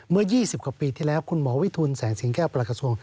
เมื่อ๒๐กว่าปีที่แล้วคุณหมอวิทูลแสงสิงแก้วประหลักกระทรวง